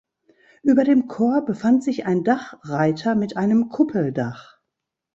Über dem Chor befand sich ein Dachreiter mit einem Kuppeldach.